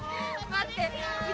待ってう